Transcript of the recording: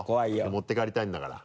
持って帰りたいんだから。